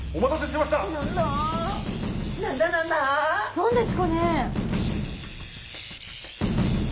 何ですかね？